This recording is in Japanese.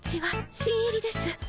新入りです。